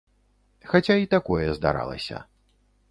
Хаця і такое здаралася.